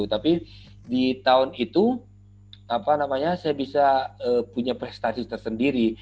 tapi di tahun itu saya bisa punya prestasi tersendiri